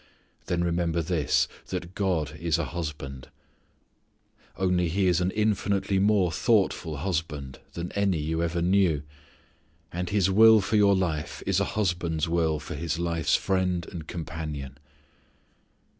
Then remember this that God is a husband; only He is an infinitely more thoughtful husband than any you ever knew. And His will for your life is a husband's will for his life's friend and companion.